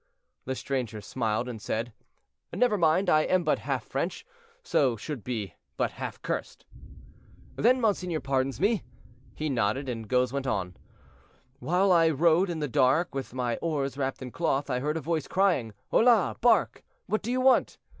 The stranger smiled and said, "Never mind, I am but half French, so should be but half cursed." "Then monseigneur pardons me?" He nodded, and Goes went on. "While I rowed in the dark with my oars wrapped in cloth, I heard a voice crying, 'Hola! bark, what do you want?'